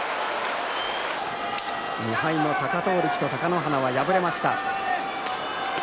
２敗の貴闘力と貴ノ花は敗れました。